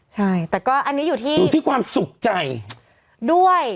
ใช่แต่ก็อันนี้อยู่ที่ความสุขใจด้วย